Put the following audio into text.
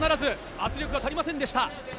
圧力が足りませんでした。